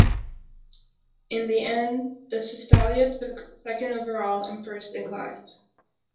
In the end, the Cistitalia took second overall and first in class.